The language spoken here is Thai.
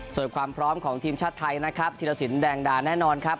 ส่วนความพร้อมของทีมชาติไทยนะครับธิรสินแดงดาแน่นอนครับ